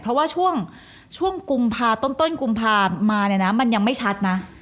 เพราะว่าช่วงกุมภาต้นกุมภามาเนี่ยนะมันยังไม่ชัดนะ